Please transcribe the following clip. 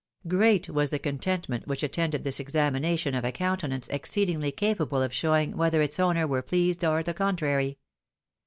Great was the contentment which attended this examination of a coxmtenance exceedingly capable of showing whether its owner were pleased or the contrary.